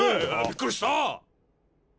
びっくりした！